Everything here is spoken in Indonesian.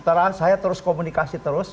terus terang saya terus komunikasi terus